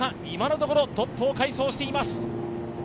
今のところトップを快走しています。